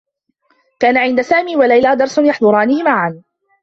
كان عند سامي و ليلى درس يحضرانه معا.